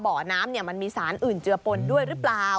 บ่อน้ำมันมีสารอื่นเจือปนด้วยหรือเปล่า